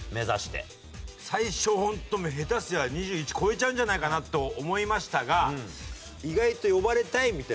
最初ホント下手すりゃ２１超えちゃうんじゃないかな？と思いましたが意外と呼ばれたいみたい。